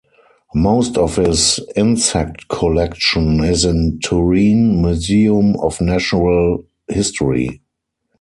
Most of his insect collection is in Turin Museum of Natural History.